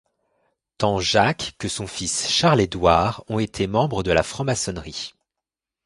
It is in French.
Tant Jacques que son fils Charles Édouard ont été membres de la Franc-maçonnerie.